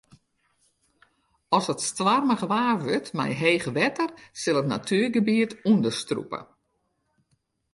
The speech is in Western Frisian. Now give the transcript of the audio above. As it stoarmich waar wurdt mei heech wetter sil it natuergebiet ûnderstrûpe.